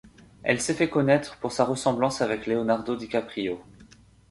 Elle s'est fait connaître pour sa ressemblance avec Leonardo DiCaprio.